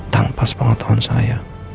tanpa sepengotohan saya